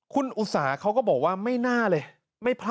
คุณอุตสาเขาก็บอกว่าไม่น่าเลย